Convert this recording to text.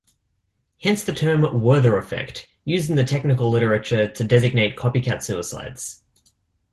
Hence the term "Werther effect", used in the technical literature to designate copycat suicides.